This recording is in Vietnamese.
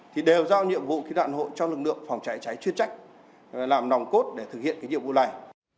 thì đều giao nhiệm vụ ký đoạn hội cho lực lượng phòng cháy chữa cháy chuyên trách làm nòng cốt để thực hiện nhiệm vụ này